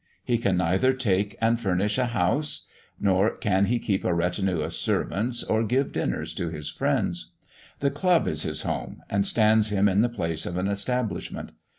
He can neither take and furnish a house, nor can he keep a retinue of servants or give dinners to his friends. The club is his home, and stands him in the place of an establishment.